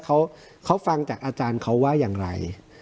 เขาฟังจากอาจารย์เขาว่าอย่างไร